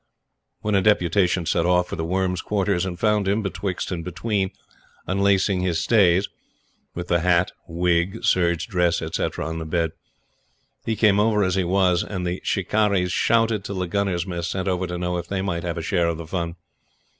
Then a deputation set off for The Worm's quarters and found him, betwixt and between, unlacing his stays, with the hat, wig, serge dress, etc., on the bed. He came over as he was, and the "Shikarris" shouted till the Gunners' Mess sent over to know if they might have a share of the fun.